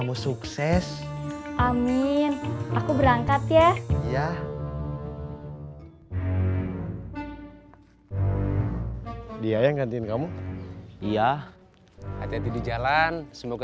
mau ke kantor